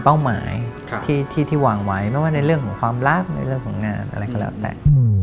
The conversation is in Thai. เป้าหมายที่วางไว้ไม่ว่าในเรื่องของความลับในเรื่องของงานอะไรก็แล้วแต่